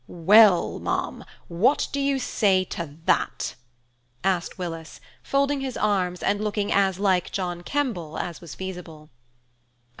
"Well, ma'am, what do you say to that?" asked Willis, folding his arms, and looking as like John Kemble as was feasible.